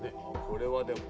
これはでも。